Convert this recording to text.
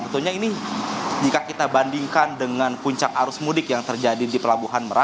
tentunya ini jika kita bandingkan dengan puncak arus mudik yang terjadi di pelabuhan merak